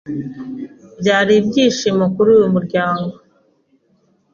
byari ibyishimo kuri uyu muryango